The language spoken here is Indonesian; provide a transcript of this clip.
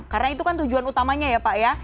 karena itu kan tujuan utamanya ya pak ya